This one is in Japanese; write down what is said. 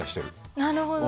なるほど。